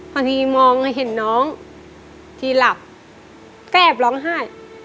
พอทีมองให้เห็นน้องทีหลับก็แอบร้องไห้